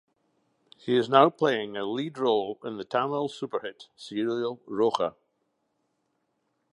She is now playing lead role in the Tamil Superhit Serial Roja.